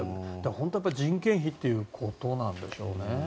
本当は人件費の高騰なんでしょうね。